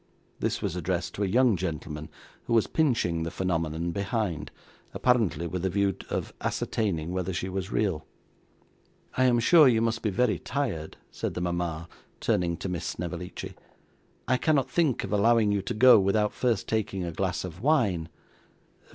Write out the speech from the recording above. This was addressed to a young gentleman who was pinching the phenomenon behind, apparently with a view of ascertaining whether she was real. 'I am sure you must be very tired,' said the mama, turning to Miss Snevellicci. 'I cannot think of allowing you to go, without first taking a glass of wine.